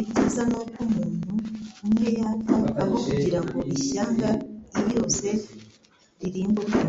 Ibyiza ni uko umuutu umwe yapfa aho kugira ngo ishyanga iyose ririmbuke."